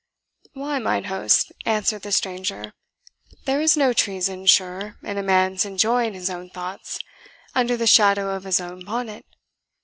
"Why, mine host," answered the stranger, "there is no treason, sure, in a man's enjoying his own thoughts, under the shadow of his own bonnet?